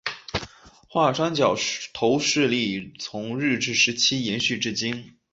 华山角头势力从日治时期延续至今。